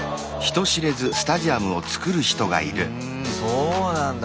そうなんだ。